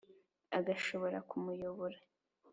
agashobora kumuyobora,